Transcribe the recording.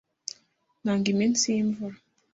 Nanga iminsi yimvura.